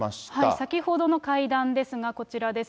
先ほどの会談ですが、こちらです。